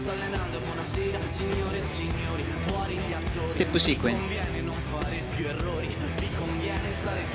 ステップシークエンス。